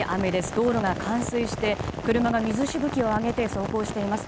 道路が冠水して車が水しぶきを上げて走行しています。